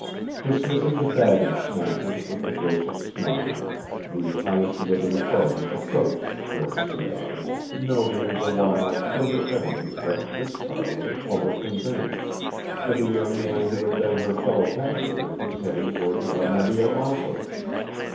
Dismissing the baggage smasher with a gracious smile, the Highest Living Authority approached George Sea Otter, noting, the while, further evidence that this car was a public conveyance, for the young man who had been her fellow passenger was heading toward the automobile also.